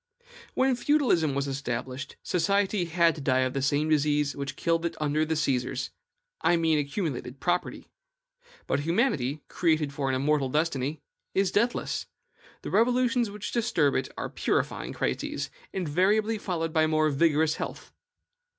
When feudalism was established, society had to die of the same disease which killed it under the Caesars, I mean accumulated property. But humanity, created for an immortal destiny, is deathless; the revolutions which disturb it are purifying crises, invariably followed by more vigorous health.